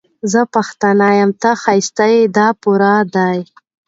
زه پښتون يم، ته ښايسته يې، دا پوره ده